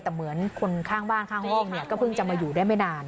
แต่เหมือนคนข้างบ้านข้างห้องเนี่ยก็เพิ่งจะมาอยู่ได้ไม่นาน